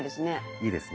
いいですね。